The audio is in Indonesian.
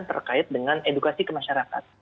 terkait dengan edukasi kemasyarakat